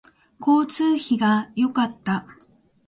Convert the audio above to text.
交通費が良かった